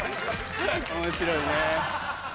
面白いね。